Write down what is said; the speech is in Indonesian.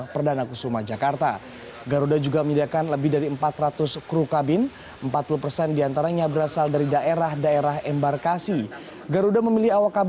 penerbangan kloter kedua kembali